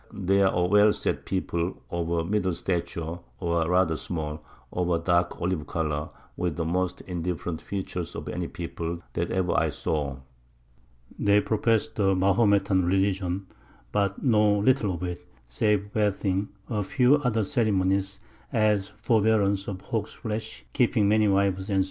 They are a well set People, of a middle Stature, or rather small, of a dark Olive Colour, with the most indifferent Features of any People, that ever I saw; they profess the Mahometan Religion, but know little of it, save Bathing; a few other Ceremonies, as Forbearance of Hogs Flesh, keeping many Wives, _&c.